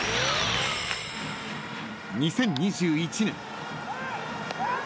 ［２０２１年］